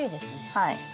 はい。